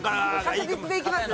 確実でいきます？